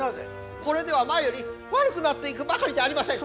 これでは前より悪くなっていくばかりじゃありませんか。